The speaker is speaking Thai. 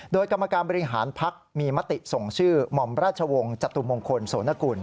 โดยกรรมการบริหารพักมีมติส่งชื่อหม่อมราชวงศ์จตุมงคลโสนกุล